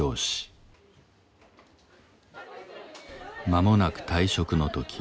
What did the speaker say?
まもなく退職のとき。